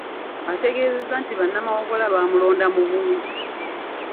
Ategeezezza nti bannamawogola baamulonda mu bungi.